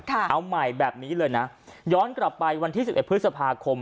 เอาใหม่แบบนี้เลยนะย้อนกลับไปวันที่๑๑พฤษภาคม